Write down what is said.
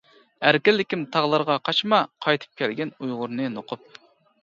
ئەركىنلىكىم تاغلارغا قاچما، قايتىپ كەلگىن ئۇيغۇرنى نوقۇپ.